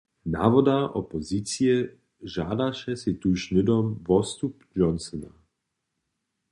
Nawoda opozicije žadaše sej tuž hnydom wotstup Johnsona.